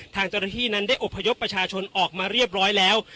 ทางเจ้าหน้าที่นั้นได้อบพยพประชาชนออกมาเรียบร้อยแล้ว